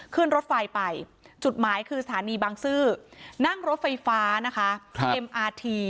เขื่อนรถไฟไปจุดหมายคือสถานีบังสือนั่งรถไฟฟ้านะคะ